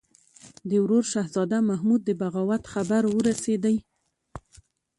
د ورور شهزاده محمود د بغاوت خبر ورسېدی.